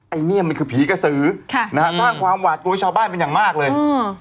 ไอ้เนี่ยมันคือผีกระสือสร้างความหวัดกลัวให้ชาวบ้านเป็นอย่างมากเลย